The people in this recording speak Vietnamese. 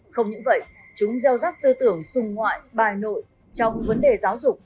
không những vậy chúng gieo rắc tư tưởng xung ngoại bài nội trong vấn đề giáo dục